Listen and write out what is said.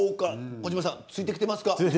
児嶋さんついてきてますか？